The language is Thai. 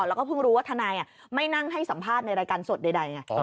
แล้วก็เพิ่งรู้ว่าทนายไม่นั่งให้สัมภาษณ์ในรายการสดใด